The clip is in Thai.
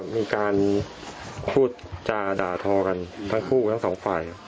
มีการพูดจาด่าทอกันทั้งคู่ทั้งสองฝ่าย